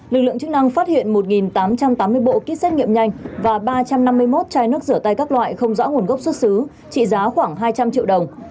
lực lượng chức năng phát hiện một tám trăm tám mươi bộ kit xét nghiệm nhanh và ba trăm năm mươi một chai nước rửa tay các loại không rõ nguồn gốc xuất xứ trị giá khoảng hai trăm linh triệu đồng